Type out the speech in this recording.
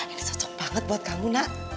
ini cocok banget buat kamu nak